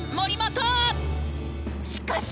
しかし！